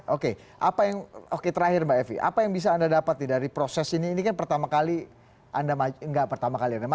oke oke terakhir mba evi apa yang bisa anda dapat dari proses ini ini kan pertama kali anda nggak pertama kali